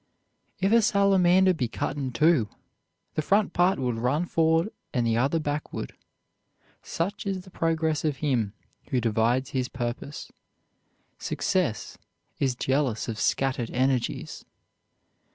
If a salamander be cut in two, the front part will run forward and the other backward. Such is the progress of him who divides his purpose. Success is jealous of scattered energies.